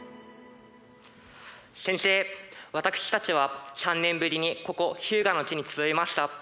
宣誓私たちは３年ぶりにここ日向の地に集いました。